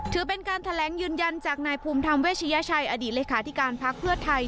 ถือเป็นการแถลงยืนยันจากนายภูมิธรรมเวชยชัยอดีตเลขาธิการพักเพื่อไทย